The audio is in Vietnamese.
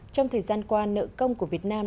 trong thời gian qua nợ công của việt nam